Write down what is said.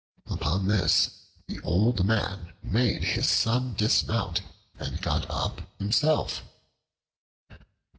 Upon this the old man made his son dismount, and got up himself.